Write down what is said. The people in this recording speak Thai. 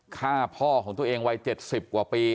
ฆ่าพ่อของตัวเองวัย๗๐กว่าปี